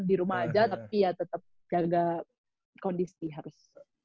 di rumah aja tapi tetep jaga kondisi harus